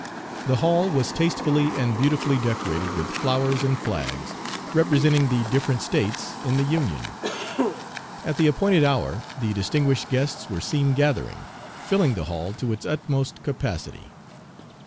The hall was tastefully and beautifully decorated with flowers and flags, representing the different States in the Union. At the appointed hour the distinguished guests were seen gathering, filling the hall to its utmost capacity.